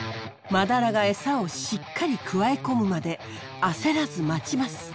マダラがエサをしっかりくわえ込むまで焦らず待ちます。